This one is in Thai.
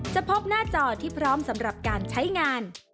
พบหน้าจอที่พร้อมสำหรับการใช้งาน